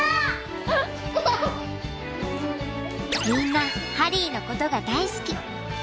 みんなハリーのことが大好き。